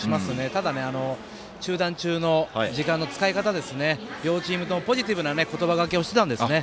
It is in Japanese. ただ、中断中の時間の使い方、両チームともポジティブな言葉がけをしていたんですね。